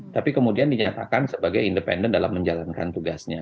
tapi kemudian dinyatakan sebagai independen dalam menjalankan tugasnya